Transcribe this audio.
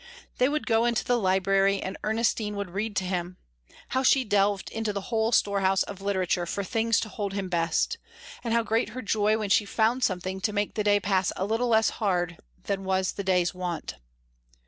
They would go into the library, and Ernestine would read to him how she delved into the whole storehouse of literature for things to hold him best and how great her joy when she found something to make the day pass a little less hard than was the day's wont!